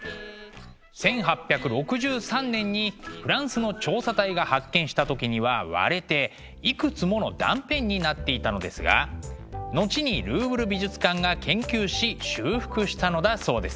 １８６３年にフランスの調査隊が発見した時には割れていくつもの断片になっていたのですが後にルーブル美術館が研究し修復したのだそうです。